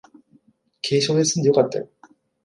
軽傷ですんでよかったよ